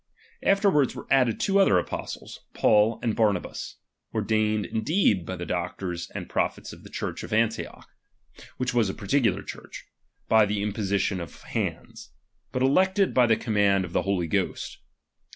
Afterward were added ■two other apostles, Paul and Barnabas ; ordained indeed by the doctors and prophets of the Church of Antioch (which was a particular Church) by the imposition of hands ; but elected by the com mand of the Holy Ghost.